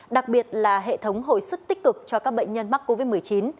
đặc biệt là hệ thống hồi sức tích cực cho các bệnh nhân mắc covid một mươi chín